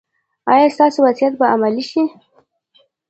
ایا ستاسو وصیت به عملي شي؟